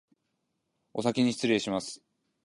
おさきにしつれいします